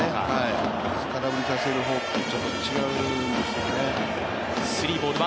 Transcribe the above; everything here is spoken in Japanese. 空振りさせるフォークとちょっと違うんですよね。